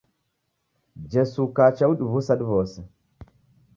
Jesu ukacha udiw'usa diw'ose.